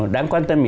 đáng quan tâm